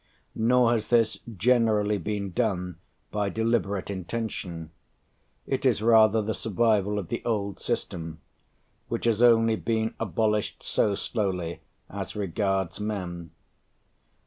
Nor has this generally been done by deliberate intention: it is rather the survival of the old system, which has only been abolished so slowly as regards men.